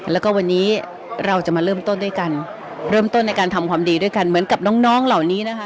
แล้วก็วันนี้เราจะมาเริ่มต้นด้วยกันเริ่มต้นในการทำความดีด้วยกันเหมือนกับน้องน้องเหล่านี้นะคะ